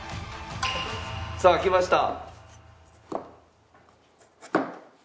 さあきました。